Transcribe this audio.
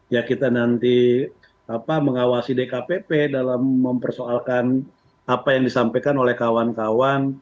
ya kita nanti mengawasi dkpp dalam mempersoalkan apa yang disampaikan oleh kawan kawan